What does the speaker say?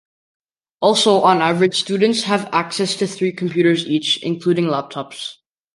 Also, on average, students have access to three computers each, including laptops.